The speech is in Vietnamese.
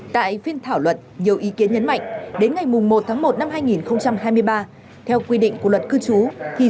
tại phiên thảo luận nhiều ý kiến nhấn mạnh đến ngày một một hai nghìn hai mươi ba theo quy định của luật cư trú thì